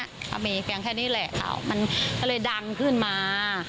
เขามีแค่นี้แหละเขามันก็เลยดังขึ้นมา